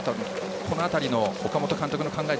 この辺りの岡本監督の考え